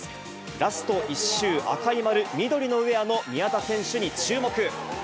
ラスト１周、赤い丸、緑のウエアの宮田選手に注目。